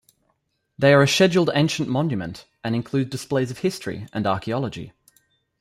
They are a scheduled ancient monument and include displays of history and archaeology.